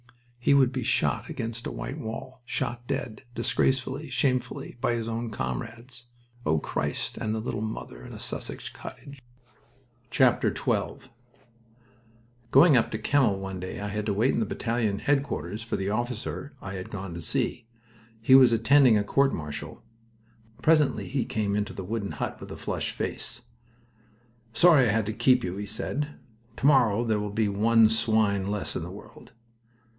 He would be shot against a white wall. Shot dead, disgracefully, shamefully, by his own comrades! O Christ! and the little mother in a Sussex cottage!... XII Going up to Kemmel one day I had to wait in battalion headquarters for the officer I had gone to see. He was attending a court martial. Presently he came into the wooden hut, with a flushed face. "Sorry I had to keep you," he said. "Tomorrow there will be one swine less in the world."